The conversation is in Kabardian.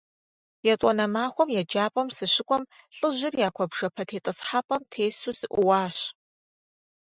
ЕтӀуанэ махуэм еджапӏэм сыщыкӀуэм, лӀыжьыр я куэбжэпэ тетӀысхьэпӀэм тесу сыӀууащ.